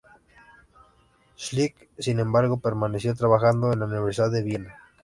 Schlick, sin embargo, permaneció trabajando en la Universidad de Viena.